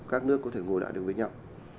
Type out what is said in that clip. các nước có thể ngồi lại đều với nhau